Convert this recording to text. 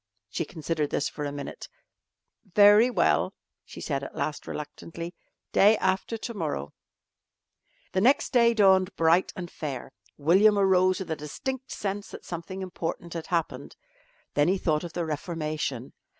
She considered this for a minute. "Very well," she said at last reluctantly, "day after to morrow." The next day dawned bright and fair. William arose with a distinct sense that something important had happened. Then he thought of the reformation.